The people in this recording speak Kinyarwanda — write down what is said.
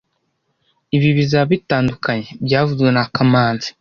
Ibi bizaba bitandukanye byavuzwe na kamanzi